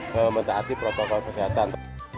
menggunakan protokol kesehatan